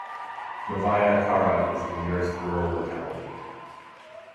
Novaya Kara is the nearest rural locality.